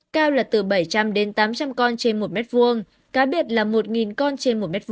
cao là từ bảy trăm linh đến tám trăm linh con trên một m hai cá biệt là một con trên một m hai